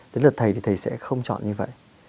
đến lượt thầy thì thầy sẽ không chọn như vậy